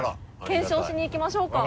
検証しに行きましょうか。